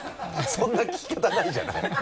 そんな聞き方ないじゃない！